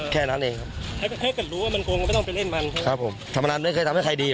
แค่นั้นเองครับครับผมธรรมดาไม่เคยทำให้ใครดีหรอ